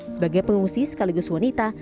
sebagai pengungsi sekaligus wanita